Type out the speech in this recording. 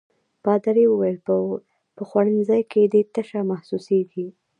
پادري وویل: په خوړنځای کې دي تشه محسوسيږي.